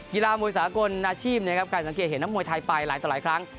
กีฬามวยสากลอาชีพนะครับการสังเกตเห็นนักมวยไทยไปหลายต่อหลายครั้ง